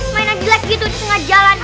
mainnya jelek gitu di tengah jalan